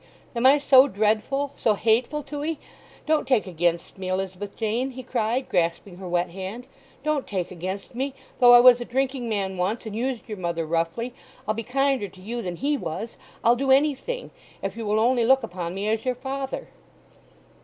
Am I so dreadful, so hateful to 'ee? Don't take against me, Elizabeth Jane!" he cried, grasping her wet hand. "Don't take against me—though I was a drinking man once, and used your mother roughly—I'll be kinder to you than he was! I'll do anything, if you will only look upon me as your father!"